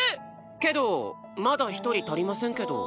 けどまだ１人足りませんけど。